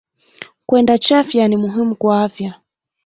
Kwenda chafya ni muhimu kwa afya.